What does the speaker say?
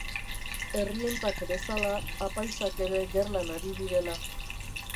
Errientak bezala apaizak ere gerlan ari direla.